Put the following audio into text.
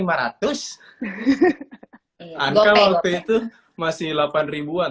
angka waktu itu masih delapan ribuan